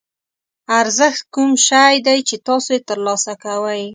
ارزښت کوم شی دی چې تاسو یې ترلاسه کوئ.